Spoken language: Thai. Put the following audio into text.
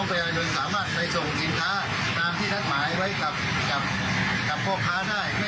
เราก็ควรก่อนการสอบควรอีกครั้งหนึ่งครับ